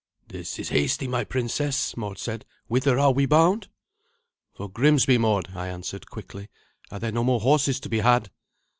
"This is hasty, my princess," Mord said. "Whither are we bound?" "For Grimsby, Mord," I answered quickly. "Are there no more horses to be had?"